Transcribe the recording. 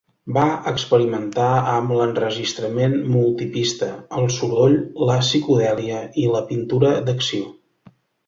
Va experimentar amb l'enregistrament multipista, el soroll, la psicodèlia i la pintura d'acció.